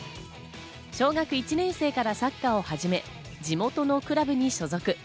小学１年生からサッカーをはじめ、地元のクラブに所属。